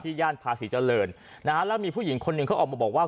ย่านภาษีเจริญนะฮะแล้วมีผู้หญิงคนหนึ่งเขาออกมาบอกว่า